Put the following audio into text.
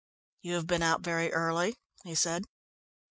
"You have been out very early," he said.